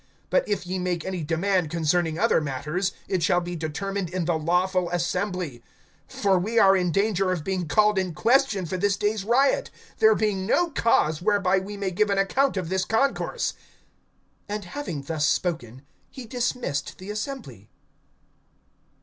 (39)But if ye make any demand concerning other matters, it shall be determined in the lawful assembly. (40)For we are in danger of being called in question for this day's riot, there being no cause whereby we may give an account of this concourse. (41)And having thus spoken, he dismissed the assembly.